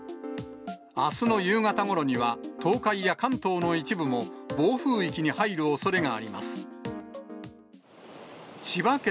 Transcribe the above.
あすの夕方ごろには東海や関東の一部も暴風域に入るおそれがあります。